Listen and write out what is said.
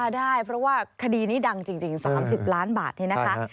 ได้เพราะว่าคดีนี้ดังจริง๓๐ล้านบาทนี่นะคะ